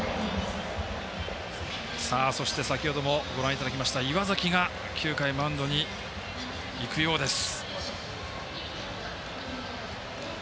そして先ほどもご覧いただきました岩崎が９回マウンドに行くようです。